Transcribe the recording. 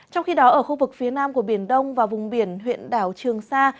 trong khi đó ở khu vực phía nam của biển đông và vùng biển huyện đảo trường sa